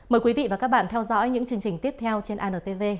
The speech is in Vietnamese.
mời quý vị và các bạn theo dõi những chương trình tiếp theo trên antv